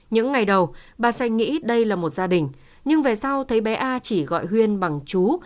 những ngày đầu bà xanh nghĩ đây là một gia đình nhưng về sau thấy bé a chỉ gọi huyên bằng chú